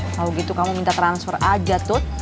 kalau gitu kamu minta transfer aja tuh